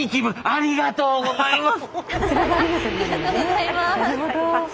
ありがとうございます。